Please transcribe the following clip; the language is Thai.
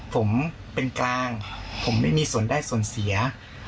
ผมเป็นกลางผมไม่มีส่วนได้ส่วนเสีย